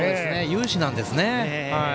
有志なんですね。